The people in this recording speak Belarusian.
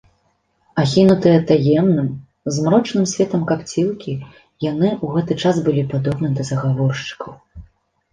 Ахінутыя таемным, змрочным светам капцілкі, яны ў гэты час былі падобны да загаворшчыкаў.